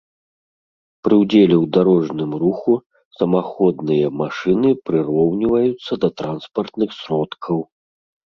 Пры ўдзеле ў дарожным руху самаходныя машыны прыроўніваюцца да транспартных сродкаў